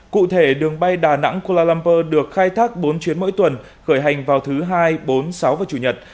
cụ thể đường bay đà nẵng kuala lumpur được khai thác bốn chuyến mỗi tuần khởi hành vào thứ hai bốn sáu và chủ nhật